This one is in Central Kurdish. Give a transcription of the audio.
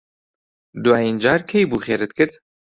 دوایین جار کەی بوو خێرت کرد؟